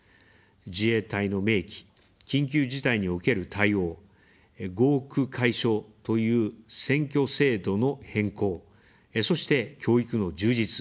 自衛隊の明記、緊急事態における対応、合区解消という選挙制度の変更、そして、教育の充実。